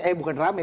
eh bukan rame